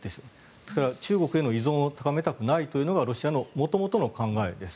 ですから、中国への依存を高めたくないというのがロシアの元々の考えです。